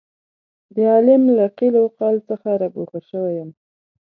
د عالم له قیل او قال څخه را ګوښه شوی یم.